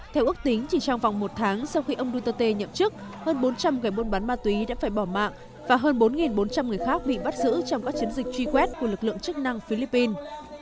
theo ước tính chỉ trong vòng một tháng sau khi ông duterte nhậm chức hơn bốn trăm linh người buôn bán ma túy đã phải bỏ mạng và hơn bốn bốn trăm linh người khác bị bắt giữ trong các chiến dịch truy quét của lực lượng chức năng philippines